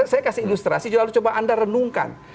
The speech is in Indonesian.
saya kasih ilustrasi lalu coba anda renungkan